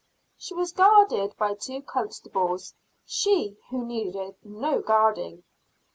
She was guarded by two constables, she who needed no guarding.